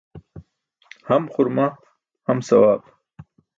Ham xurmaa, ham sawaab.